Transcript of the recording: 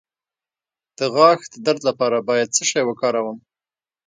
د غاښ د درد لپاره باید څه شی وکاروم؟